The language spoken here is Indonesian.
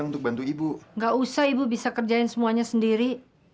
nggak usah ibu bisa kerjain semuanya sendiri